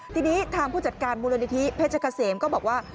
ทีนี้ทางผู้จัดการมูลนิธิเพชรเกษมก็บอกว่า